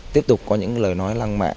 tiếp tục có những lời nói lăng mạ